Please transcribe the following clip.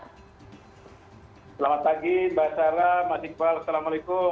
selamat pagi mbak sarah mas iqbal assalamualaikum